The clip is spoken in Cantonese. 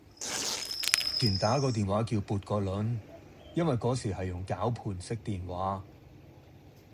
以前打個電話叫撥個輪，因為嗰時係用攪盤式電話。